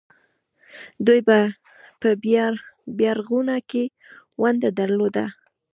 دوی په بیارغونه کې ونډه درلوده.